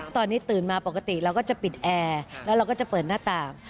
ตอนนี้ตื่นมาปกติเราก็จะปิดแอร์แล้วเราก็จะเปิดหน้าต่าง